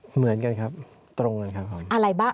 เหมือนกันครับตรงกันครับผม